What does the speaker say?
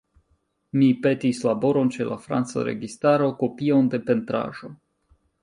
Mi petis laboron ĉe la franca registaro, kopion de pentraĵo.